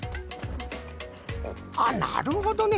あっなるほどね。